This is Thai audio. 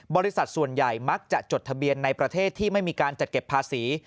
บริษัทส่วนใหญ่มักจะจดทะเบียนในประเทศที่ไม่มีการจัดเก็บภาษี